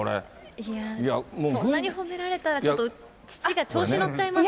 そんなに褒められたら、ちょっと父が調子に乗っちゃいます。